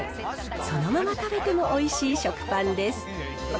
そのまま食べてもおいしい食パンです。